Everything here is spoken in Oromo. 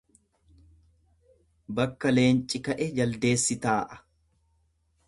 Bakka leenci ka'e jaldeessi taa'a.